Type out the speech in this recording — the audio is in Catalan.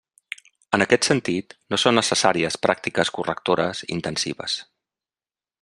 En aquest sentit, no són necessàries pràctiques correctores intensives.